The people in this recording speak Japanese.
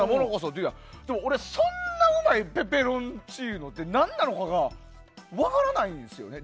でも、俺そんなうまいペペロンチーノって何なのかが分からないんですよね。